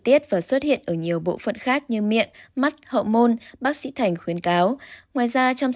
tiết và xuất hiện ở nhiều bộ phận khác như miệng mắt họ môn bác sĩ thành khuyến cáo ngoài ra trong